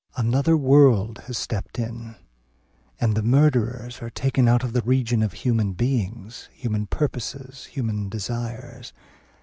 Another world has stepped in; and the murderers are taken out of the region of human things, human purposes, human desires.